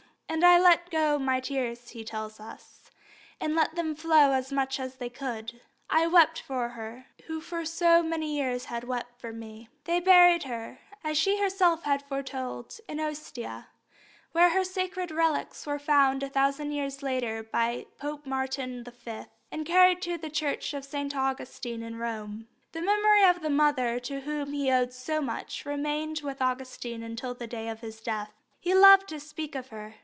And I let go my tears," he tells us, "and let them flow as much as they would. I wept for her, who for so many years had wept for me." They buried her, as she herself had foretold, in Ostia, where her sacred relics were found a thousand years later by Pope Martin V., and carried to the Church of St. Augustine in Rome. The memory of the mother to whom he owed so much remained with Augustine until the day of his death. He loved to speak of her.